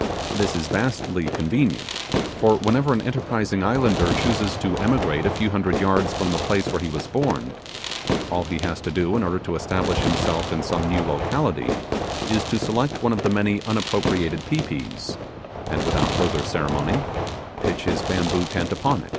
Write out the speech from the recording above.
This is vastly convenient, for whenever an enterprising islander chooses to emigrate a few hundred yards from the place where he was born, all he has to do in order to establish himself in some new locality, is to select one of the many unappropriated pi pis, and without further ceremony pitch his bamboo tent upon it.